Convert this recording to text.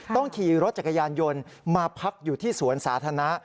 ต้องขี่รถจักรยานยนต์มาพักอยู่ที่สวนสาธารณะ